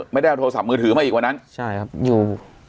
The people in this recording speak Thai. ไม่ได้เอาโทรศัพท์มือถือมาอีกวันนั้นใช่ครับอยู่